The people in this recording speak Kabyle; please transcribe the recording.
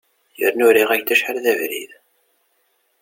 Yerna uriɣ-ak-d acḥal d abrid.